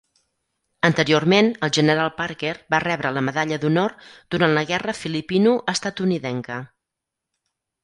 Anteriorment, el general Parker va rebre la medalla d'honor durant la guerra filipino-estatunidenca.